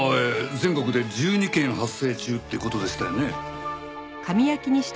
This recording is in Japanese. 全国で１２件発生中って事でしたよね。